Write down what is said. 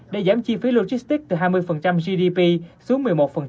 để giảm chi phí logistics từ hai mươi gdp xuống một mươi một